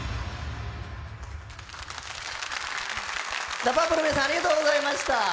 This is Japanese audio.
ＤＡＰＵＭＰの皆さんありがとうございました。